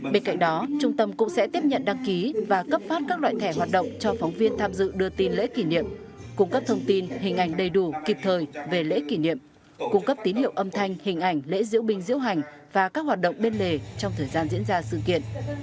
bên cạnh đó trung tâm cũng sẽ tiếp nhận đăng ký và cấp phát các loại thẻ hoạt động cho phóng viên tham dự đưa tin lễ kỷ niệm cung cấp thông tin hình ảnh đầy đủ kịp thời về lễ kỷ niệm cung cấp tín hiệu âm thanh hình ảnh lễ diễu binh diễu hành và các hoạt động bên lề trong thời gian diễn ra sự kiện